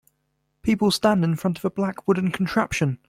People stand in front of a black wooden contraption.